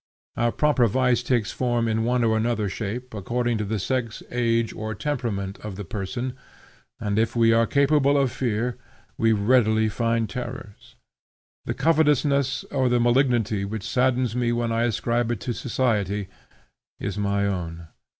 Our proper vice takes form in one or another shape, according to the sex, age, or temperament of the person, and, if we are capable of fear, will readily find terrors. The covetousness or the malignity which saddens me when I ascribe it to society, is my own.